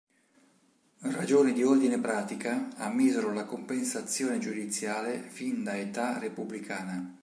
Ragioni di ordine pratica ammisero la compensazione giudiziale fin da età repubblicana.